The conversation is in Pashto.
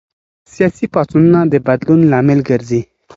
سياسي پاڅونونه د بدلون لامل ګرځي.